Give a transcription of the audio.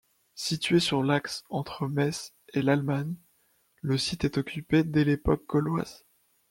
Situé sur l'axe entre Metz et l'Allemagne, le site est occupé dès l'époque gauloise.